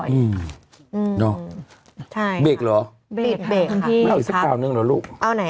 เนอะเบรกเหรอไม่เอาอีกสักการอีกหนึ่งหรือลูกปีนค่ะครับพี่